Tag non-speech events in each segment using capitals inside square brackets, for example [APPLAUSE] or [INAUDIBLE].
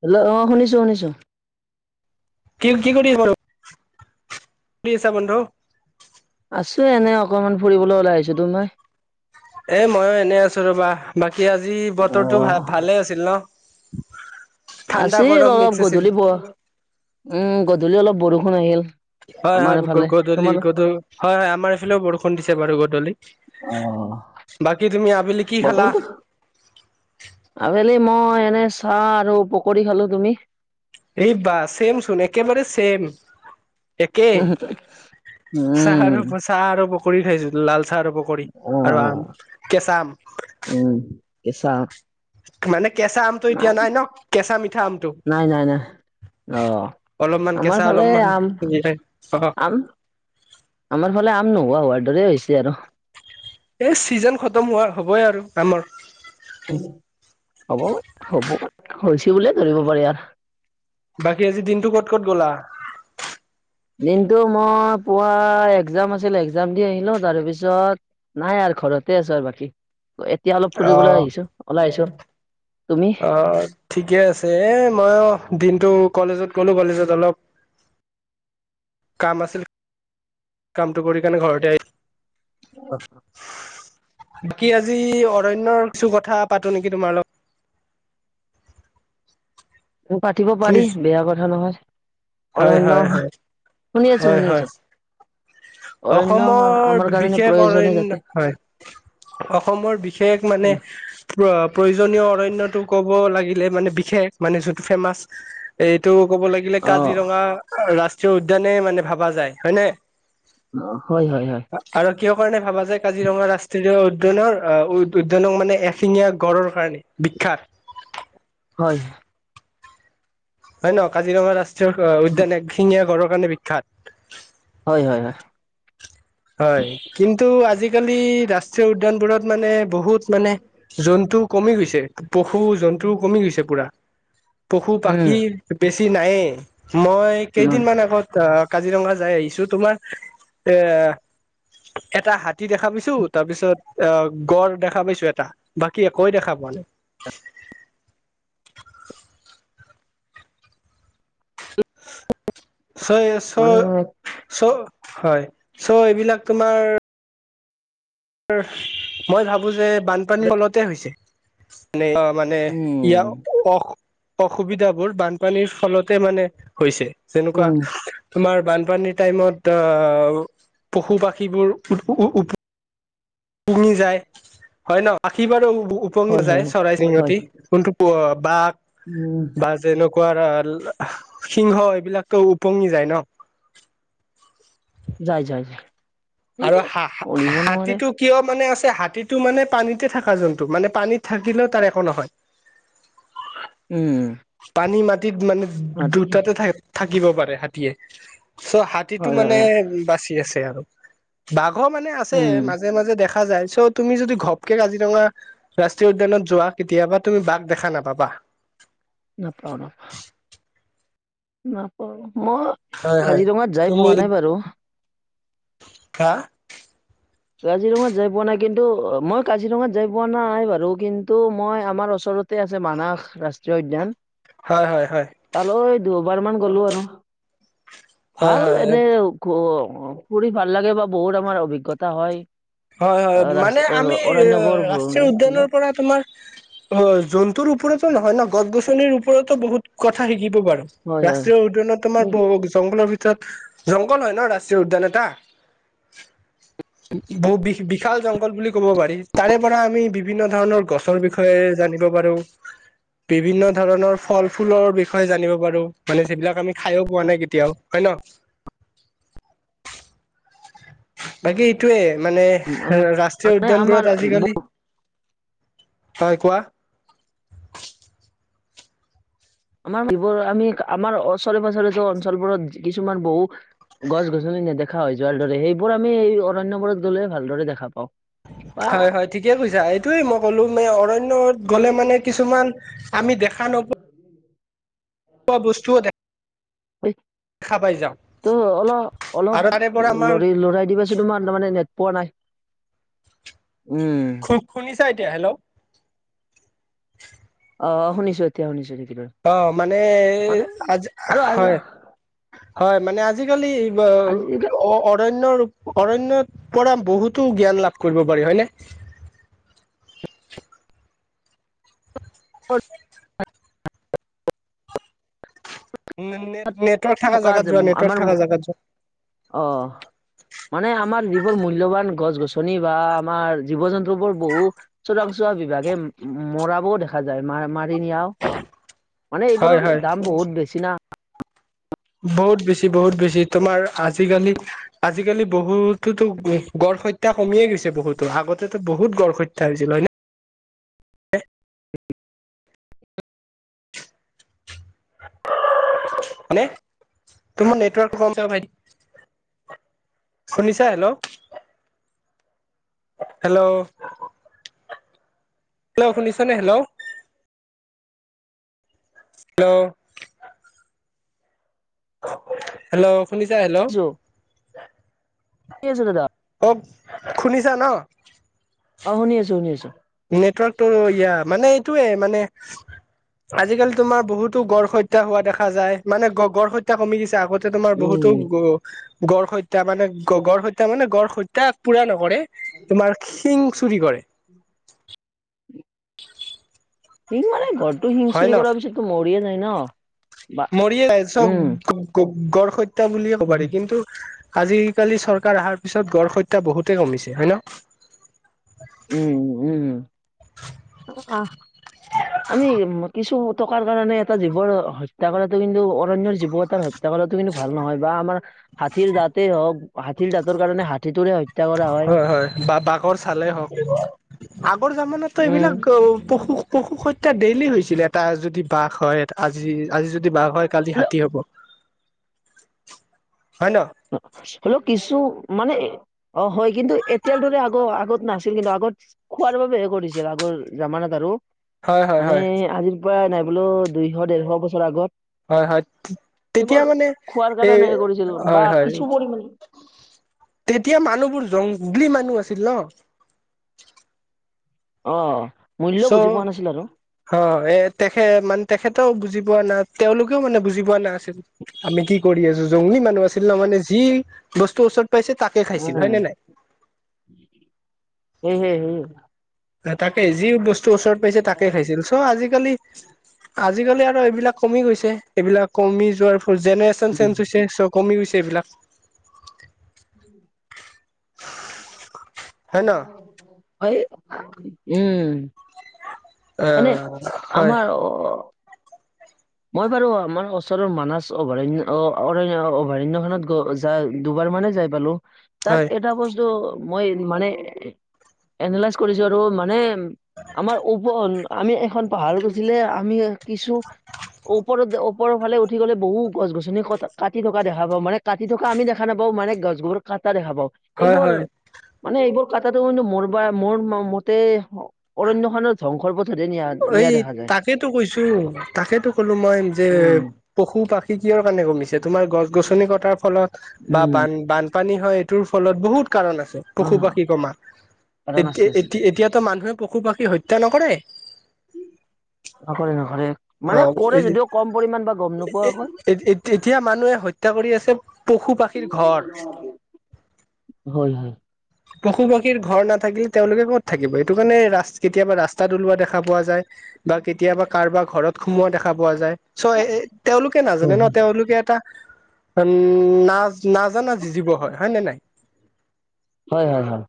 Hello শুনিছো শুনিছো। কি কি কৰি আছা বোলো, কৰি আছা বন্ধু? আছোঁ এনে অকণমান ফুৰিবলৈ ওলাই আহিছোঁ, তুমি? এ ময়ো এনে আছো ৰবা, বাকী আজি বতৰটো ভাল ভালে আছিল ন। ঠাণ্ডা আছিল গৰম মিক্স অলপ আছিল। গধূলি বৰ উম গধূলি অলপ বৰষুণ আহিল। হয়, আমাৰ হয় এইফালে গধূলি তোমাৰ গধূ হয় হয় আমাৰ এইফালেও বৰষুণ দিছে বাৰু গধূলি। অ বাকী তুমি আবেলি কি খালা? বতৰটো আবেলি মই এনে চাহ আৰু পকৰি খালো, তুমি? এই বা চেম চোন একেবাৰে চেম। একেই চাহ উম আৰু প চাহ আৰু পকৰী খাইছো, লাল চাহ আৰু পকৰী আৰু আহ আম কেঁচা আম। উম, কেচা মানে কেঁচা আমটো এতিয়া নাই ন? কেঁচা মিঠা আমটো। নাই, নাই, নাই। অ অলপমান আমাৰ কেচা, ফালে অলপমান আম ইয়ে, অ'। আম আমাৰ ফালে আম নোহোৱা হোৱাৰ দৰে হৈছে আৰু। এই চিজন খতম হোৱা হ'বই আৰু আমৰ। হ'ব, হ'ব হৈছে বুলিয়ে ধৰিব পাৰি আৰু। বাকী আজি দিনটো ক'ত ক'ত গ'লা? দিনটো মই পুৱা এক্সাম আছিল এক্সাম দি আহিলো, তাৰপিছত নাই আৰু ঘৰতে আছো আৰু বাকী এতিয়া অলপ অ ফুৰিবলৈ আহিছো ওলাই আহিছো, তুমি? অ, ঠিকে আছে, এ মইও দিনটো কলেজত গ'লো, কলেজত অলপ কাম আছিল, কামটো কৰি কাৰণে ঘৰতে আহি অ'। বাকী আজি অৰণ্যৰ কিছু কথা পাতো নেকি তোমাৰ লগত? পাতিব পাৰি শুনিছো বেয়া কথা নহয়, হয় অৰণ্য, হয় হয় শুনি আছো হয় শুনি হয় আছো। অৰণ্য অসমৰ আমাৰ কাৰণে বিশেষ প্ৰয়োজনে যাতে অৰণ্য, হয়। অসমৰ বিশেষ মানে প্ৰয়োজনীয় অৰণ্যটো ক'ব লাগিলে মানে বিশেষ মানে যোনটো ফেমাচ এইটো ক'ব লাগিলে অ কাজিৰঙা ৰাষ্ট্ৰীয় উদ্যানে মানে ভাবা যায়, হয় নে? হয়, হয়, হয়। আৰু কিহৰ কাৰণে ভাবা যোয় কাজিৰঙা ৰাষ্ট্ৰীয় উদ্যানৰ উদ্যানক মানে? এশিঙীয়া গড়ৰ কাৰণে বিখ্যাত। হয়। হয়ে ন', কাজিৰঙা ৰাষ্ট্ৰীয় উদ্যান এক শিঙীয়া গড়ৰ কাৰণে বিখ্যাত। হয়, হয়, হয়। হয়, কিন্তু আজিকালি ৰাষ্ট্ৰীয় উদ্যানবোৰত মানে বহুত মানে জন্তু কমি গৈছে, পশু জন্তু কমি গৈছে পুৰা। পশু, উম পাখি বেছি নাইয়ে, মই উম কেইদিন আগত আহ কাজিৰঙা যাই আহিছো। তোমাৰ এ, এটা হাতী দেখা পাইছো, তাৰ পিছত অ', গড় দেখা পাইছো এটা, বাকি একোৱেয় দেখা পোৱা নাই। চ' মানে চ' চ' হয়, চ' এইবিলাক তোমাৰ মই ভাবো যে বানপানীৰ ফলতে হৈছে। মানে অ' মানে উম ইয়াৰ অস অসুবিধাবোৰ বানপানীৰ ফলতে মানে হৈছে, যেনেকুৱা উম তোমাৰ বানপানীৰ টাইমত অ, পশু পাখীবোৰ উ উ পুঙি যায় হয় ন', পাখি বাৰু পঙি হয় হয় নাযায় চৰাই হয় চিঙঠি কোনটো বাঘ উম বা তেনেকুৱা সিংহ এইবিলাক ত উপঙি যায় ন? যাই যাই যাই। কৰিব আৰু হা হা কৰিব নোৱাৰে হাতীটোক কিয় মানে আছে হাতীটো মানে পানীতে থাকা জন্তু মানে পানীত থাকিলেও তাৰ একো নহয়। [INAUDIBLE] উম। পানী মাটিত মানে মাটি দুটাতে থা থাকিব পাৰে হাতীয়ে চ হাত তীটো হয় হয় মানে হয়। বাচি আছে আৰু বাঘ মানে আছে উম মাজে মাজে দেখা যায় চত তুমি যদি ঘপকে কাজিৰঙা ৰাষ্ট্ৰীয় উদ্যানত যোৱা কেতিয়াবা তুমি বাঘ দেখা নাপাবা। নাপাওঁ নাপাওঁ নাপাওঁ ম হয় হয় কাজিৰঙাত যাই তুমি পোৱা নাই বাৰু। হা? কাজিৰঙাত যাই পোৱা নাই কিন্তু মই কাজিৰঙাত যাই পোৱা নাই বাৰু কিন্তু মই আমাৰ ওচৰত তে আছে মানাস ৰাষ্ট্ৰীয় উদ্যান হয় হয় হয়। তালৈ দুয়বাৰ মান গলো আৰু হয় ভাল হয় এনে [UNINTELLIGIBLE] ফুৰি ভাল লাগে বা বহুত আমাৰ অভিজ্ঞতা হয়। হয় হয় ৰাজ মানে আমি অৰণ্যবোৰ ৰাষ্ট্ৰীয় ভ্ৰমণ- উদ্যানৰ পৰা তোমাৰ হয়, জন্তুৰ ওপৰতো নহয় না গছ গছনিৰ ওপৰতো বহুত কথা শিকিব পাৰো। হয় হয় ৰাষ্ট্ৰীয় উদ্যানত তোমাৰ উম, বহু জংঘলৰ ভিতৰত জংঘল হয় ন ৰাষ্ট্ৰীয় উদ্যান এটা। ব‌ বিশ বিশাল জংঘল বুলি ক'ব পাৰি তাৰে পৰা আমি বিভিন্ন ধৰণৰ গছৰ বিষ ষয়ে জানিব পাৰো। বিভিন্ন ধৰণৰ ফল-ফুলৰ বিষয়ে জানিব পাৰো মানে যিবিলাক আমি খাইয়ো পোৱা নাই কেতিয়াও। হয় ন। বাকী এইটোৱে মানে আমাৰ ৰাষ্ট্ৰীয় মানে আমাৰ উদ্যানবোৰত ব- আজিকালি হয় কোৱা? আমাৰ মা এইবোৰ আমি ওচৰে পাঁজৰে অঞ্চলবোৰত কিছুমান বহু গছ-গছলি নেদেখা হৈ যোৱাৰ দৰে সেইবোৰ আমি এই অৰণ্যবোৰত গ'লে ভালদৰে দেখা পাওঁ। বা হয় হয় ঠিকে কৈছা এইটোয়ে মই ক'লো মই অৰণ্যত গ'লে মানে কিছুমান আমি দেখা নপ দেখা ঐ। দেখা পাই যাওঁ ত অলপ অলপ আৰু তাৰে পৰা আমাৰ লৰি লৰাই দিবা। যে তোমান মানে নেট পোৱা নাই, উম। শু শুনিছা এতিয়া? হেল্ল' অ শুনিছো এতিয়া শুনিছো নেকি তৰ অ মানে এ আজি, আৰু আজি হয় হয় মানে আ আজিকালি ব আজিকালি অ অৰণ্যৰ অৰণ্যত পৰা বহুতো জ্ঞান লাভ কৰিব পাৰি হয়নে? [UNINTELLIGIBLE] উ নেট নে নেটৱৰ্ক থাকা থকা জাগাত যে যোৱা আমাৰ নেটৱৰ্ক থাকা জাগাত যোৱা। অ অহ। মানে আমাৰ যিবোৰ মূল্যৱান গছ-গছনি বা আমাৰ জীৱ জন্তুবোৰ বহু- চোৰাংচোৱা বিভাগে ম মৰাবও দেখা যায় মা মাৰি নিয়াও। মানে হয় এইবোৰৰ হয় দাম বহুত বেছি না। বহুত বেছি বহুত বেছি তোমাৰ আজিকালি আজিকালি বহুতো'তো গড় হত্যা কমিয়ে গৈছে বহুতো, আগতেটো বহুত গড় হত্যা হৈছিল হয় নে। মানে, তোমাৰ নেটৱৰ্কটো কম যাব ভাইটি। শুনিছা? হেল্ল'। হেল্ল'। হেল্ল' শুনিছানে? হেল্ল'। হেল্ল'। হেল্ল' শুনিছা? হেল্ল'। [UNINTELLIGIBLE] কি আছে দাদা। [UNINTELLIGIBLE] শুনিছা ন? অ', -শুনি আছো-শুনি আছো। নেটৱৰ্কটো ইয়া, মানে এইটোয়ে মানে- আজিকালি তোমাৰ বহুতো গড় হত্যা হোৱা দেখা যায়, মানে গড় হত্যা কমি গৈছে আগতে- তোমাৰ বহুতো উম গ-গড় হত্যা মানে গ-গড় হত্যা মানে গড় হত্যা পুৰা নকৰে। তোমাৰ শিং চুৰি কৰে। [UNINTELLIGIBLE] [INAUDIBLE] [INAUDIBLE] শিং মানে গড়টো শিং হয় চুৰি ন কৰা পিছত টো মৰিয়ে যাই ন'। বা মৰিয়ে যায়, উম চব গড় হত্যা বুলিয়ে ক'ব পাৰি, কিন্তু- আজি কালি চৰকাৰ অহাৰ পিছত গড় হত্যা বহুতে কমিছে হয় ন'। উম-উম-উম-উম। অঁ', -অঁ',। [INAUDIBLE] আমি কিছু টকাৰ কাৰণে এটা জীৱ হত্যা কৰাতটো কিন্তু অৰণ্যৰ জীৱ এটাৰ হ- ত্যা কৰাটো কিন্তু ভাল নহয়, বা আমাৰ- হাতীৰ দাঁতেই হওঁক, হাতীৰ দাঁতৰ কাৰণে হাতীটোৰে হত্যা কৰা হয়। হয়-হয়, বা বাঘৰ চালে হওঁক। আগৰ জামাটো উম এইবিলাক - পশু হত্যা ডেইলি হৈছিলে এটা যদি বাঘ হয়, আজি-আজি যদি- বাঘ হয় কালি হলে হাতী হ'ব, হয় ন'। হ'লেও কিছু মানে- অ', -হয়, কিন্তু এতিয়া দৰে আগ-আগত নাছিল কিন্তু আগত- খোৱাৰ বাবে'হে কৰিছিল আগৰ জমানাত আৰু। হয় হয় মানে হয় আজিৰ পৰা নাই বোলো দুইশ-দেৰশ বছৰ আগত। হয়-হয়। তেতিয়া এইবোৰ মানে খোৱাৰ এই কাৰণে হে কৰিছিল বা হয়-হয়। কিছু পৰিমাণে তেতিয়া মানুহবোৰ জংগলী মানুহ আছিল ন'। অঁ', চ' মূল্যও বুজি পোৱা নাছিল আৰু। অ', এ তেখেত মানে তেখেতও বুজি পোৱা নাই, তেওঁলোকেও মানে বুজি পোৱা নাছিল। আমি কি কৰি আছো জংগলী মানুহ আছিল ন' মানে যি বস্তু ওচৰত পাইছে তাকে খাইছিল, উম হয় নে নাই। হয়-হয়-হয়। তাকে, যি বস্তুৰ ওচৰত পাইছে তাকে খাইছিল। চ' আজিকালি- আজিকালি আৰু এইবিলাক কমি গৈছে, এইবিলাক কমি যোৱাৰ ফলত জেনেৰেচন চেঞ্জ হৈছে চব। কমি গৈছে এইবিলাক। [UNINTELLIGIBLE] হয় ন হয়, উমঁ। অ এনেই হয় আমাৰ অ', মই বাৰু আমাৰ ওচৰৰ মানস অভয়াৰণ্য অ', [UNINTELLIGIBLE] খনত গৈ য দুবাৰ মানে যাই পালো, হয় তাত এটা বস্তু মই মানে এনালাইজ কৰিছো আৰু মানে আমাৰ ওপন আমি এখন পাহাৰ উঠিলে আমি কিছু ওপৰত যে ওপৰৰ ফাল উঠি গলে বহু গছ গছনি ক কাটি থকা দেখা পাওঁ, মানে কাটি থকা আমি দেখা নাপাও মানে গছ বোৰ কাটা দেখা পাওঁ, হয় এইবোৰ হয় মানে এইবোৰ কটাটো কিন্তু মোৰ বা মোৰ মতে অৰণ্য খানৰ ধংসৰ এই তাকেতো কৈছো, তাকেতো কলো মই যে উম পশু পাক্ষী কিয়ৰ কাৰণে কমিছে, তোমাৰ গছ গছনি কটাৰ ফলত, বা উম বান বানপানী হয় টোৰ ফলত, বহুত কাৰণ আছে, অ পশু পাক্ষী কমা, কাৰণ আছে এতিয়া আছে। এতি এতিয়াতো মানুহে পশু পাখ কি হত্যা নকৰে? নকৰে, নকৰে, মানে কৰে যদিও কম পৰি এ এতিয়া মানুহে হত্যা কৰি আছে পশু পাক্ষীৰ ঘৰ। হয়, হয়। পশু পক্ষীৰ ঘৰ নাথাকিলে তেওঁলোকে ক'ত থাকিব এইটো কাৰণে ৰাস্ কেতিয়াবা ৰাস্তাত ওলোৱা দেখা পোৱা যায় বা কেতিয়াবা কাৰোবাৰ ঘৰত সোমোৱা দেখা পোৱা যায় চ তেওঁলোকে হয় নাজানে হয় ন তেওঁলোকে এটা উম নাচ নাজানা জী জীৱ হয় নে নাই? হয় হয় হয়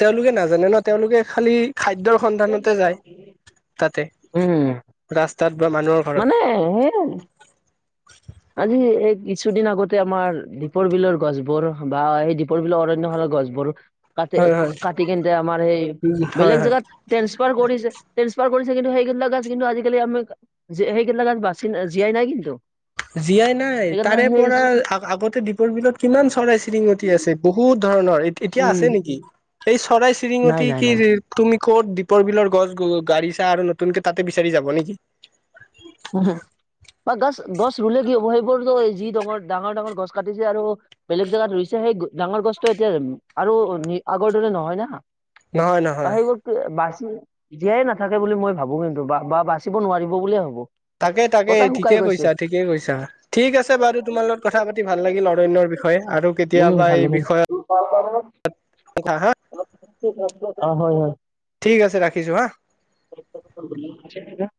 তেওঁলোকে নাজানে ন তেওঁলোকে খালি খাদ্যৰ সন্ধানতে যায় তাতে উম ৰাস্তাত বা মানুহৰ ঘৰত মানে সেই আজি এই কিছুদিন আগতে আমাৰ দীপৰ বিলৰ গছবোৰ বা এই দীপ দীপৰ বিলৰ অৰণ্যখনৰ গছবোৰ কাটি হয় হয় কাটি কেন্তে আমাৰ সেই হয় বেলেগ হয় জেগাত ট্ৰেন্সফাৰ কৰিছে ট্ৰেন্সফাৰ কৰিছে কিন্তু সেইগিলাক গছ কিন্তু আজিকালি আমি যে সেই সেইগিলাক গছ বাচি জীয়াই নাই কিন্তু জীয়াই নাই সেইকাৰণে তাৰে সেই পৰা আগতে দীপ দীপৰ বিলত কিমান চৰাই চিৰিঙতি আছে বহুত ধৰণৰ এতিয়া উম। আছে নেকি সেই চৰাই চি নাই চিৰিঙতি নাই কি নাই তুমি ক'ত দীপৰ বিলৰ গছ গাড়ী চা আৰু নতুনকে তাতে বিচাৰি যাব নেকি? উম বা গছ গছ ৰুলে কি হ'ব সেইবোৰতো যি ডাঙৰ ডাঙৰ ডাঙৰ গছ কাটিছে আৰু বেলেগ জেগাত ৰুইছে সেই ডাঙৰ গছটো এতিয়া আৰু আগৰ দৰে নহয় না নহয় বা নহয় সেইবোৰ বাচি জীয়াই নাথাকে বুলি মই ভাবো কিন্তু বা বা বাচিব নোৱাৰিব বুলিয়ে ভাবো তাকে তাকে গোটাই শুকাই ঠিকে গৈছে। কৈছা ঠিকে কৈছা ঠিক আছে বাৰু তোমাৰ লগত কথা পাতি ভাল লাগিল অৰণ্যৰ বিষয়ে আৰু উম কেতিয়াবা ভালে এই বিষয়ত [UNINTELLIGIBLE] [UNINTELLIGIBLE] হা [UNINTELLIGIBLE] অ হয় হয় ঠিক আছে ৰাখিছোঁ হা [UNINTELLIGIBLE]